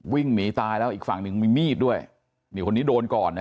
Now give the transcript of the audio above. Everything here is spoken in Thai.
วิ่งหนีตายแล้วอีกฝั่งหนึ่งมีมีดด้วยนี่คนนี้โดนก่อนนะ